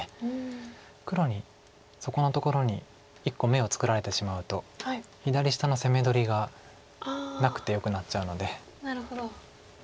黒にそこのところに１個眼を作られてしまうと左下の攻め取りがなくてよくなっちゃうので。